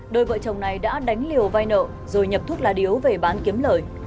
đôi vợ chồng này đã đánh liều vai nợ rồi nhập thuốc lá điếu về bán kiếm lời